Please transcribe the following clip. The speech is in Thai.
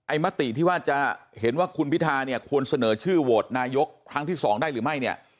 มติที่ว่าจะเห็นว่าคุณพิธาเนี่ยควรเสนอชื่อโหวตนายกครั้งที่๒ได้หรือไม่เนี่ย